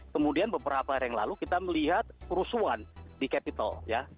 kemudian beberapa hari yang lalu kita melihat kerusuhan di capital ya